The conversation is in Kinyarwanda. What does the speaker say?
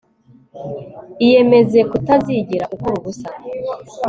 iyemeze kutazigera ukora ubusa